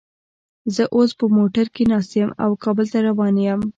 زه اوس په موټر کې ناست یم او کابل ته روان یم